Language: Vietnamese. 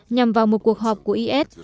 nhằm vào một cuộc họp của is